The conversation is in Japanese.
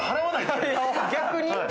逆に？